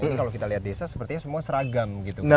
ini kalau kita lihat desa sepertinya semua seragam